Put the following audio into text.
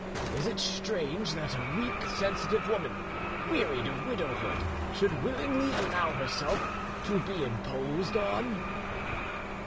Is it strange that a weak, sensitive woman, wearied of widowhood, should willingly allow herself to be imposed on?"